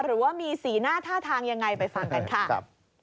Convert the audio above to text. หรือว่ามีสีหน้าท่าทางยังไงไปฟังกันค่ะ